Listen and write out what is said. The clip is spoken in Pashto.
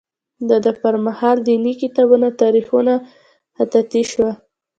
د ده پر مهال دیني کتابونه او تاریخونه خطاطي شول.